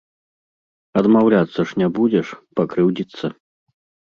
Адмаўляцца ж не будзеш, пакрыўдзіцца.